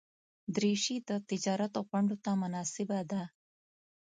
دریشي د تجارت غونډو ته مناسبه ده.